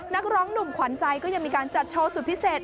นักร้องหนุ่มขวัญใจก็ยังมีการจัดโชว์สุดพิเศษ